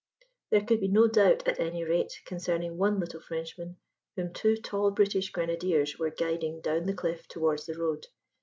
There could be no doubt, at any rate, concerning one little Frenchman whom two tall British grenadiers were guiding down the cliff towards the road.